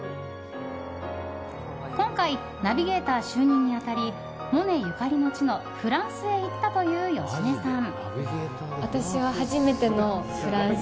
今回、ナビゲーター就任に当たりモネゆかりの地のフランスへ行ったという芳根さん。